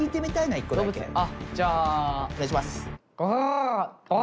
あっじゃあ。